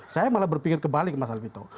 saya malah berpikir kebalik mas halim itu